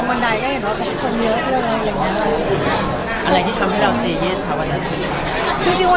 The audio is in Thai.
ว่าว่าเค้าไปหลบในตรงนาย